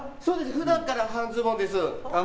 普段から半ズボンです。